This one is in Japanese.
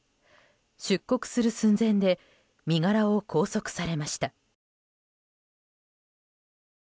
出国する寸前で身柄を拘束されました。